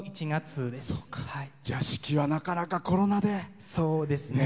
式は、なかなかコロナで。